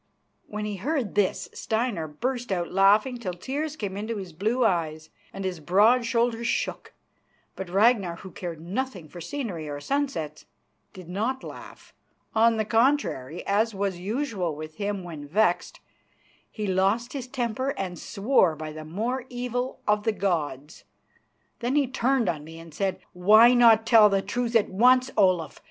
When he heard this, Steinar burst out laughing till tears came into his blue eyes and his broad shoulders shook. But Ragnar, who cared nothing for scenery or sunsets, did not laugh. On the contrary, as was usual with him when vexed, he lost his temper and swore by the more evil of the gods. Then he turned on me and said: "Why not tell the truth at once, Olaf?